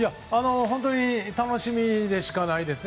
本当に楽しみでしかないですね。